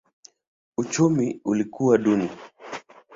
Uchumi ilikuwa duni.